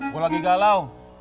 gua lagi galau